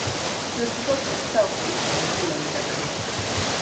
This book itself became a clue on Jeopardy!